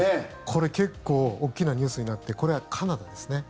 これ、結構大きなニュースになってこれはカナダですね。